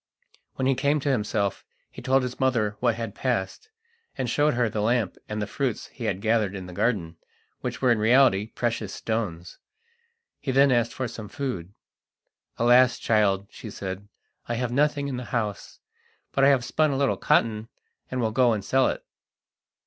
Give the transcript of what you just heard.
When he came to himself he told his mother what had passed, and showed her the lamp and the fruits he had gathered in the garden, which were in reality precious stones. He then asked for some food. "Alas! child," she said, "I have nothing in the house, but I have spun a little cotton and will go and sell it."